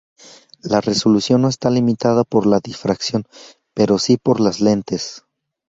La resolución no está limitada por la difracción, pero sí por las lentes.